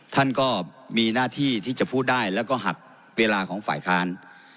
ท่านก็มีหน้าที่ที่จะพูดได้แล้วก็หักเวลาของฝ่ายค้าน